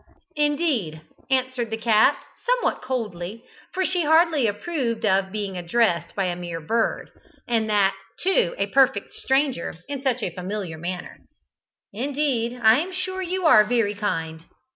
"Indeed," answered the cat, somewhat coldly, for she hardly approved of being addressed by a mere bird, and that, too, a perfect stranger, in such a familiar manner. "Indeed, I am sure you are very kind."